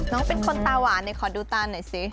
น้องเป็นคนตาหวานเลยขอดูตาหน่อยสิ